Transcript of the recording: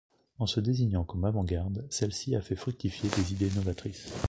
En se désignant comme avant-garde, celle-ci a fait fructifier des idées novatrices.